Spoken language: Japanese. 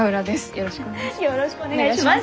よろしくお願いします。